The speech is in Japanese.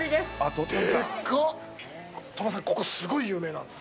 鳥羽さん、ここすごい有名なんです。